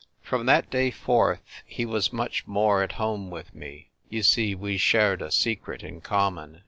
From that day forth he was much more at home with me. You see, we shared a Secret in common.